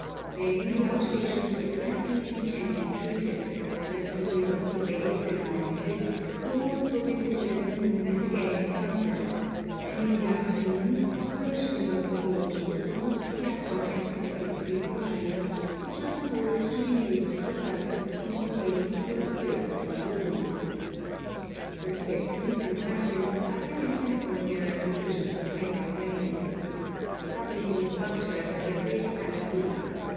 Then the out patients were carefully and gently treated, leprous limbs were bathed and anointed, the wards were visited at noon and again at sunset, and in the afternoons operations were performed with the most careful antiseptic precautions, which are supposed to be used for the purpose of keeping away evil spirits from the wounds! The Tibetans, in practice, are very simple in their applications of medical remedies. Rubbing with butter is their great panacea.